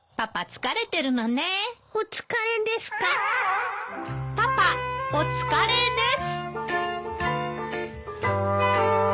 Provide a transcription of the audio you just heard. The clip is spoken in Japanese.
パパはお疲れです。